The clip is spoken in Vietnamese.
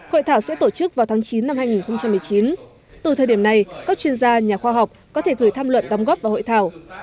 hội thảo sẽ tổ chức vào tháng chín năm hai nghìn một mươi chín từ thời điểm này các chuyên gia nhà khoa học có thể gửi tham luận đóng góp vào hội thảo